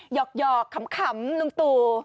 หยอกหยอกขำลุงตู่